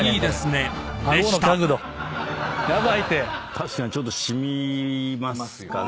確かにちょっと染みますかね。